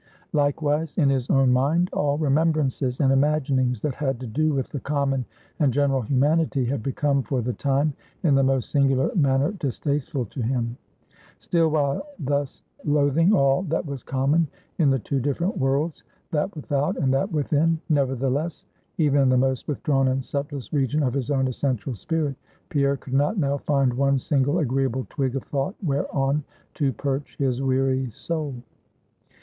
Likewise in his own mind all remembrances and imaginings that had to do with the common and general humanity had become, for the time, in the most singular manner distasteful to him. Still, while thus loathing all that was common in the two different worlds that without, and that within nevertheless, even in the most withdrawn and subtlest region of his own essential spirit, Pierre could not now find one single agreeable twig of thought whereon to perch his weary soul.